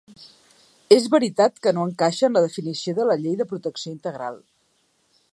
És veritat que no encaixa en la definició de la llei de protecció integral.